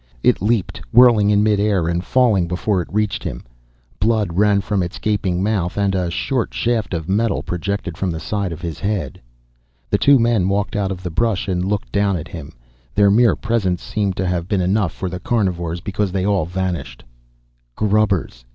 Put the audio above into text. It leaped. Whirling in midair and falling before it reached him. Blood ran from its gaping mouth and the short shaft of metal projected from the side of his head. The two men walked out of the brush and looked down at him. Their mere presence seemed to have been enough for the carnivores, because they all vanished. Grubbers.